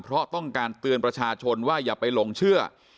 เพราะต้องการเตือนประชาชนว่าอย่าไปหลงเชื่อ